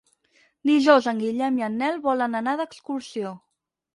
Dijous en Guillem i en Nel volen anar d'excursió.